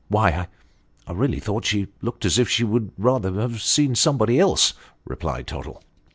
" Why I really thought she looked as if she would rather have seen somebody else," replied Tottle.